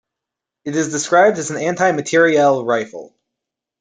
It is described as an anti-materiel rifle.